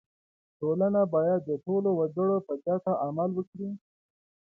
• ټولنه باید د ټولو وګړو په ګټه عمل وکړي.